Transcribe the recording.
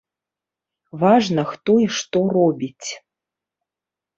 Важна, хто і што робіць.